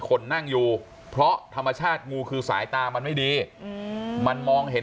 คนนั่งอยู่เพราะธรรมชาติงูคือสายตามันไม่ดีมันมองเห็น